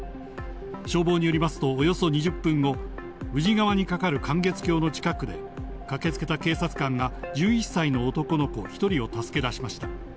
消防によりますと、およそ２０分後、宇治川に架かる観月橋の近くで、駆けつけた警察官が１１歳の男の子１人を助け出しました。